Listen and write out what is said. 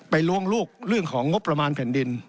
ล้วงลูกเรื่องของงบประมาณแผ่นดิน